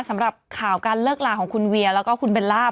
สำหรับข่าวการเลิกลาของคุณเวียแล้วก็คุณเบลล่า